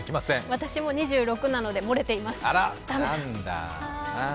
私も２６なのでもれています。